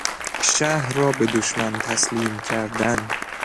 شهر را به دشمن تسلیم کردن